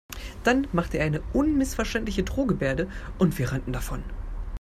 Dann machte er eine unmissverständliche Drohgebärde und wir rannten davon.